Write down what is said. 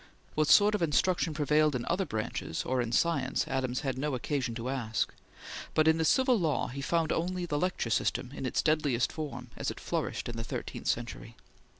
What sort of instruction prevailed in other branches, or in science, Adams had no occasion to ask, but in the Civil Law he found only the lecture system in its deadliest form as it flourished in the thirteenth century.